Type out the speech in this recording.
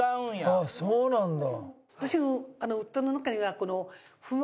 ああそうなんだ。